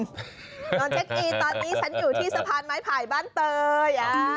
นอนเช็คอีตอนนี้ฉันอยู่ที่สะพานไม้ไผ่บ้านเตย